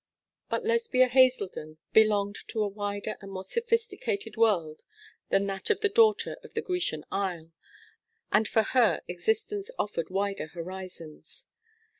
But Lesbia Haselden belonged to a wider and more sophisticated world than that of the daughter of the Grecian Isle, and for her existence offered wider horizons.